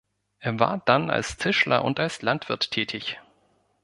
Er war dann als Tischler und als Landwirt tätig.